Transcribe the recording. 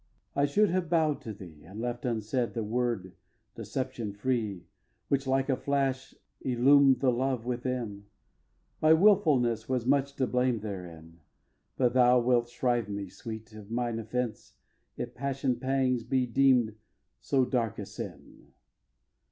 I should have bow'd to thee, And left unsaid the word, deception free, Which, like a flash, illumed the love within, My wilfulness was much to blame therein; But thou wilt shrive me, Sweet! of mine offence If passion pangs be deem'd so dark a sin.